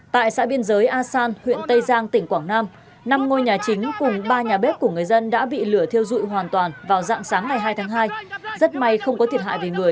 tại xã biên giới a san huyện tây giang tỉnh quảng nam năm ngôi nhà chính cùng ba nhà bếp của người dân đã bị lửa thiêu dụi hoàn toàn vào dạng sáng ngày hai tháng hai rất may không có thiệt hại về người